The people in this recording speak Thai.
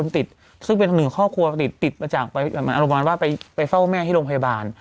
ซึ่งเป็นหนึ่งครอบครัวติดติดมาจากโรงพยาบาลว่าไปเฝ้าแม่ที่โรงพยาบาล